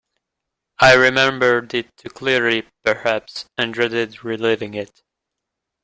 I remembered it too clearly, perhaps, and dreaded re-living it.